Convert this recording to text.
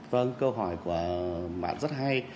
vâng câu hỏi của bạn rất hay